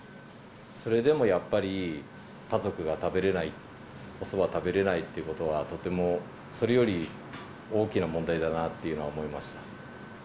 それでもやっぱり、家族が食べれない、おそば食べれないということは、とてもそれより大きな問題だなっていうのは思いました。